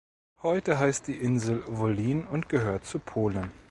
Heute heißt die Insel Wolin und gehört zu Polen.